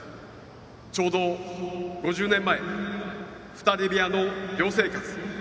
ちょうど５０年前２人部屋の寮生活。